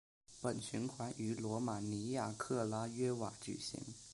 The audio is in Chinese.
本循环于罗马尼亚克拉约瓦举行。